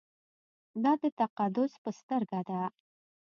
دا د تقدس په سترګه ده.